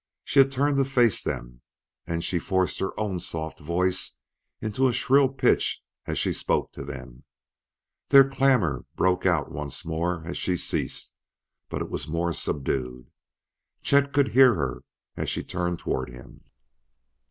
She had turned to face them, and she forced her own soft voice into a shrill pitch as she spoke to them. Their clamor broke out once more as she ceased, but it was more subdued. Chet could hear her as she turned toward him.